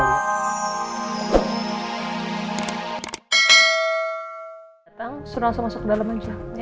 suruh langsung masuk ke dalem aja ya